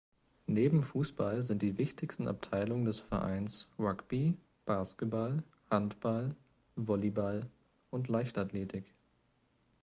Neben Fußball sind die wichtigsten Abteilungen des Vereins Rugby, Basketball, Handball, Volleyball und Leichtathletik.